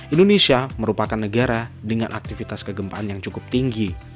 indonesia merupakan negara dengan aktivitas kegempaan yang cukup tinggi